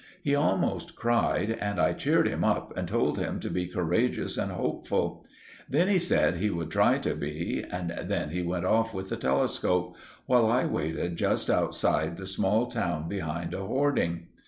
He almost cried, and I cheered him up and told him to be courageous and hopeful. Then he said he would try to be; and then he went off with the telescope, while I waited just outside the small town behind a hoarding.